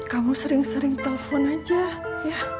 kamu sering sering telpon aja ya